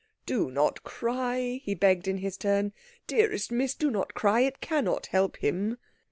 "Do not cry," he begged in his turn, "dearest Miss, do not cry it cannot help him."